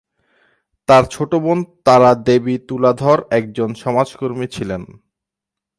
তার ছোট বোন তারা দেবী তুলাধর একজন সমাজকর্মী ছিলেন।